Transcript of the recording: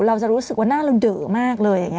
เราจะรู้สึกว่าหน้าเราเดอะมากเลย